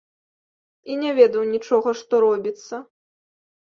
І не ведаў нічога, што робіцца.